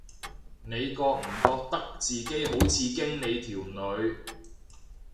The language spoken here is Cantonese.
你覺唔覺得自己好似經理條女